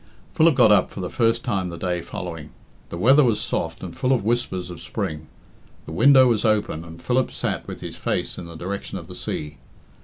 Philip got up for the first time the day following. The weather was soft and full of whispers of spring; the window was open and Philip sat with his face in the direction of the sea.